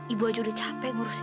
ibu aja udah capek ngurusin